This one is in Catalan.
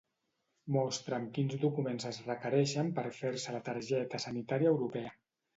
Mostra'm quins documents es requereixen per fer-se la targeta sanitària europea.